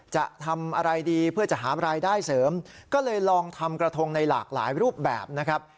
จะทำอะไรดีเพื่อจะหารายได้เสริมก็เลยลองทำกระทงในหลากหลายรูปแบบนะครับ